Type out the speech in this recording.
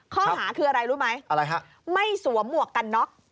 ข้อหาคืออะไรรู้ไหมไม่สวมหมวกกัลน็อกท์